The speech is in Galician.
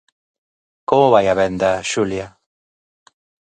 Como vai a venda, Xulia?